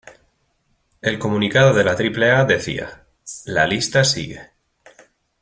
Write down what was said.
El comunicado de la Triple A decía: ""La lista sigue.